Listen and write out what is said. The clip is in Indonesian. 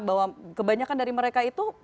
bahwa kebanyakan dari mereka itu